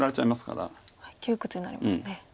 窮屈になりますね。